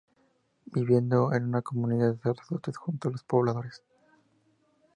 Viviendo en una comunidad de sacerdotes junto a los pobladores.